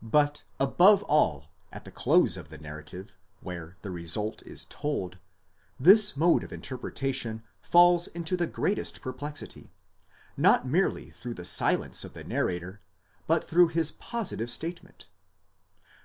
But, above all, at the close of the narrative, where the result is told, this mode of interpretation falls into the greatest perplexity, not merely through the silence of the narrator, but through his positive state ment.